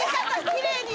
きれいに。